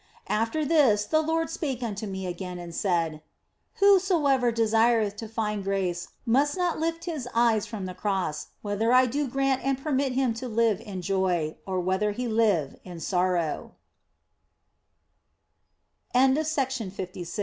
After this the Lord spake unto me again and said :" Whosoever desireth to find grace must not lift his eyes from the Cross, whether I do grant and permit him to live in joy, or whether he li